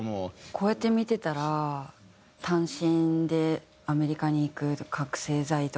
こうやって見てたら単身でアメリカに行く覚醒剤とか本当いろんな事があった。